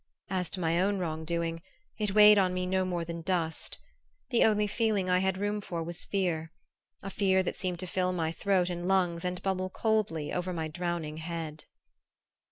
As to my own wrongdoing, it weighed on me no more than dust. The only feeling I had room for was fear a fear that seemed to fill my throat and lungs and bubble coldly over my drowning head.